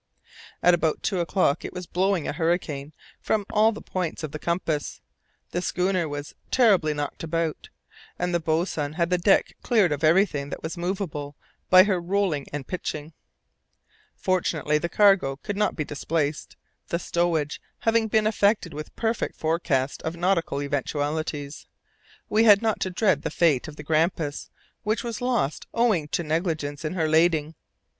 About two o'clock it was blowing a hurricane from all the points of the compass. The schooner was terribly knocked about, and the boatswain had the deck cleared of everything that was movable by her rolling and pitching. Fortunately, the cargo could not be displaced, the stowage having been effected with perfect forecast of nautical eventualities. We had not to dread the fate of the Grampus, which was lost owing to negligence in her lading.